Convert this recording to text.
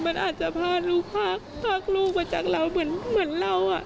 มันอาจจะพาดลูกพากลูกมาจากเราเหมือนเรา